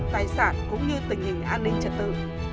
tài sản cũng như tình hình an ninh trật tự